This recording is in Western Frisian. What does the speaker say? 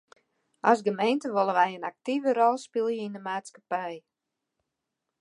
As gemeente wolle wy in aktive rol spylje yn de maatskippij.